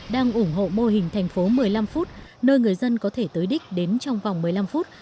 đang ủng hộ mô hình thành phố một mươi năm phút nơi người dân có thể tới đích đến trong vòng một mươi năm phút